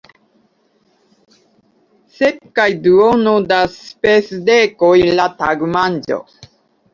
Sep kaj duono da spesdekoj la tagmanĝo!